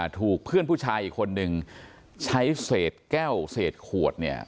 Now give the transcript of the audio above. ถูกเพื่อนผู้ชายอีกคนนึงใช้เศษแก้วเศษขวดเนี่ย